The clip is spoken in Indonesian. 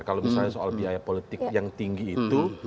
kalau misalnya soal biaya politik yang tinggi itu